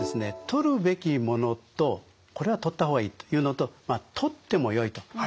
「とるべきもの」と「これはとった方がいい」というのと「とってもよい」と。